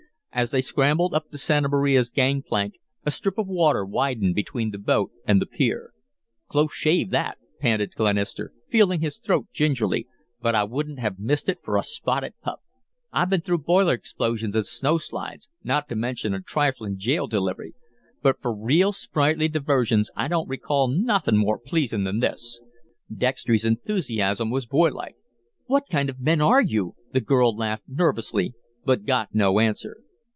As they scrambled up the Santa Maria's gang plank, a strip of water widened between the boat and the pier. "Close shave, that," panted Glenister, feeling his throat gingerly, "but I wouldn't have missed it for a spotted pup." "I've been through b'iler explosions and snowslides, not to mention a triflin' jail delivery, but fer real sprightly diversions I don't recall nothin' more pleasin' than this." Dextry's enthusiasm was boylike. "What kind of men are you?" the girl laughed nervously, but got no answer.